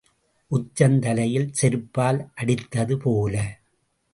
உச்சந் தலையில் செருப்பால் அடித்தது போல.